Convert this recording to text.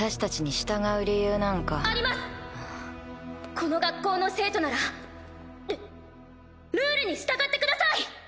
この学校の生徒ならルルールに従ってください！